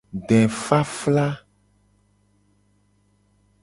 Defafla.